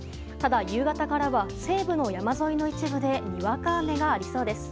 夕方からは西部の山沿いの一部でにわか雨がありそうです。